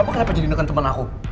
papa kenapa jadi neken temen aku